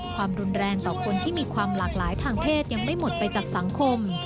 ความรุนแรงต่อคนที่มีความหลากหลายทางเพศยังไม่หมดไปจากสังคม